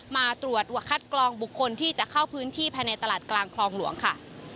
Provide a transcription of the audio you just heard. มาตรวจคัดกรองบุคคลที่จะเข้าพื้นที่ภายในตลาดกลางคลองหลวงค่ะ